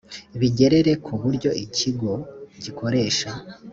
bigerere ku buryo ikigo gikoresha